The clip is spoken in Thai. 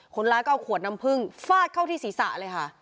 คนร้ายก็เอาขวดน้ำพึ่งฟาดเข้าที่ศีรษะเลยค่ะ